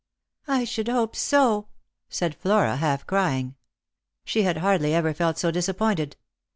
" I should hope so," said Flora, half crying. She had hardly ever felt so disappointed.